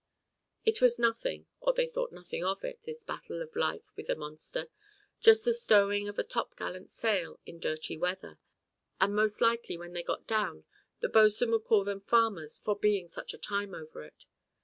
It was nothing, or they thought nothing of it, this battle for life with a monster, just the stowing of a top gallant sail in dirty weather, and most likely when they got down the Bo'sw'n would call them farmers for being such a time over it.